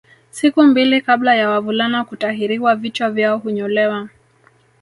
Siku mbili kabla ya wavulana kutahiriwa vichwa vyao hunyolewa